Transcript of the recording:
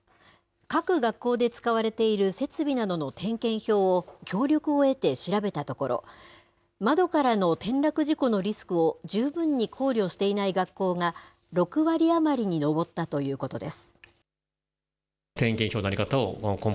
各学校で使われている設備などの点検表を協力を得て調べたところ、窓からの転落事故のリスクを十分に考慮していない学校が、６割余りに上ったということです。